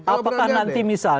apakah nanti misalnya kalau